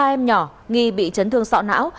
ba em nhỏ nghi bị chấn thương sọ não